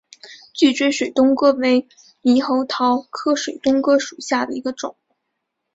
聚锥水东哥为猕猴桃科水东哥属下的一个种。